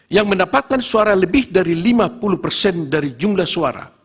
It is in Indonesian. yang mendapatkan suara lebih dari lima puluh persen dari jumlah suara